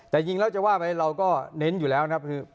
แต่จริงแล้วจะว่าไหมเราก็เน้นอยู่แล้วนะครับ